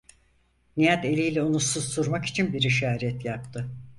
Nihat eliyle onu susturmak için bir işaret yaptı: